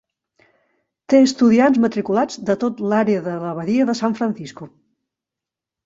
Té estudiants matriculats de tot l'àrea de la Badia de San Francisco.